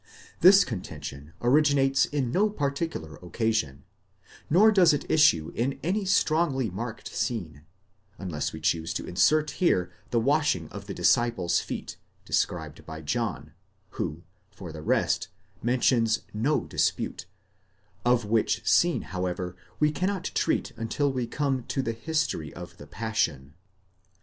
This contention originates in no particular occasion, nor does it issue in any strongly marked scene (unless we choose to insert here the washing of the disciples' feet, described by John, who, for the rest, mentions no dispute ;—of which scene, however, we cannot treat until we come to the history of the Passion).